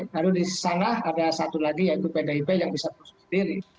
lalu di sana ada satu lagi yaitu pdip yang bisa mengusung sendiri